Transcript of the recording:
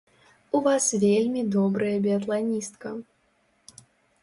У вас вельмі добрая біятланістка!